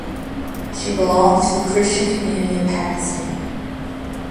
She belongs to the Christian community of Pakistan.